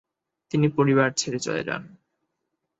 তিনি পরিবার ছেড়ে চলে যান।